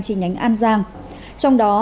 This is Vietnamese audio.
chi nhánh an giang trong đó